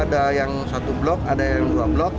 ada yang satu blok ada yang dua blok